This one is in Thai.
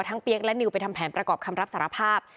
เปี๊ยกและนิวไปทำแผนประกอบคำรับสารภาพ